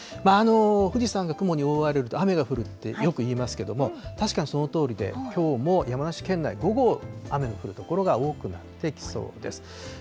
富士山が雲に覆われると雨が降るってよくいいますけれども、確かにそのとおりで、きょうも山梨県内、午後、雨の降る所が多くなってきそうです。